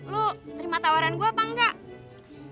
lu terima tawaran gue apa enggak